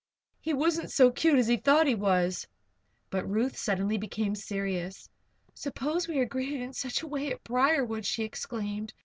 He wasn't so cute as he thought he was." But Ruth suddenly became serious. "Suppose we are greeted in any such way at Briarwood?" she exclaimed.